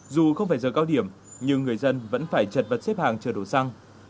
dù không phải giờ cao điểm nhưng người dân vẫn phải chật vật xếp hàng chờ đổ xăng